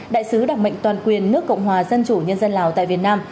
đại sứ đặc mệnh toàn quyền nước cộng hòa dân chủ nhân dân lào tại việt nam